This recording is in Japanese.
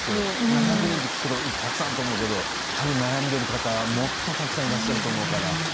７００人と聞くとたくさんと思うけど多分悩んでる方もっとたくさんいらっしゃると思うから。